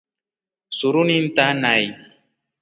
Suru ni ntaa nai.